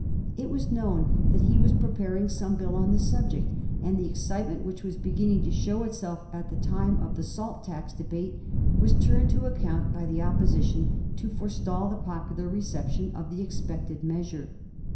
It was known that he was pre paring some Bill on the subject, and the excitement which was beginning to show itself at the time of the salt tax debates was turned to account by the Oppo sition to forestall the popular reception of the expected measure.